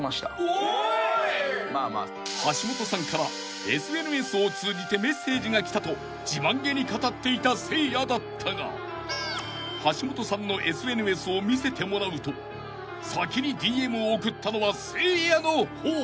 ［橋本さんからＳＮＳを通じてメッセージが来たと自慢げに語っていたせいやだったが橋本さんのＳＮＳを見せてもらうと先にＤＭを送ったのはせいやの方］